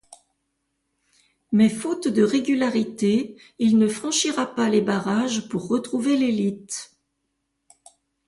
Mais faute de régularité, il ne franchira pas les barrages pour retrouver l’élite.